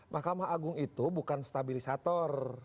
mahkamah agung itu bukan stabilisator